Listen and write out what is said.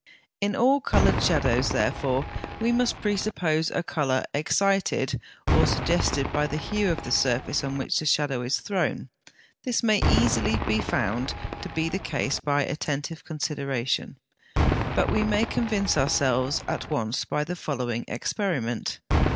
In all coloured shadows, therefore, we must presuppose a colour excited or suggested by the hue of the surface on which the shadow is thrown. This may be easily found to be the case by attentive consideration, but we may convince ourselves at once by the following experiment. 68.